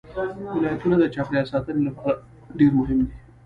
ولایتونه د چاپیریال ساتنې لپاره ډېر مهم دي.